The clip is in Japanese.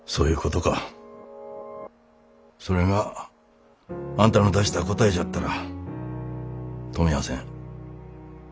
それがあんたの出した答えじゃったら止みゃあせん。